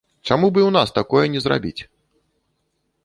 Чаму б і ў нас такое не зрабіць?